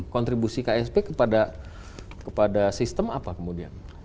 kontribusi ksp kepada sistem apa kemudian